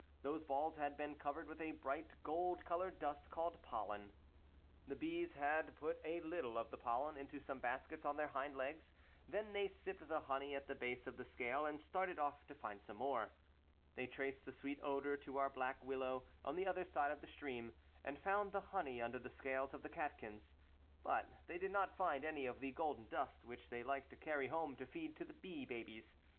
L Those balls had been covered with a bright gold colored dust called pollen {Figures 4 and 5). The bees had put a little of the pollen into some baskets on their hind legs. Then they sipped the honey at the base of the scale and started off to find some more. They traced the sweet odor 6. Pistillate Catkin. (q OUr Black WilloW On the other side of the stream, and found the honey under the scales of the catkins (Fig. 6). But they did not find any of the golden dust which they liked to carry home to feed to the bee babies.